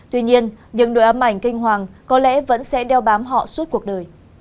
tuy nhiên những nỗi ám ảnh kinh hoàng có lẽ vẫn sẽ đeo bám họ suốt cuộc đời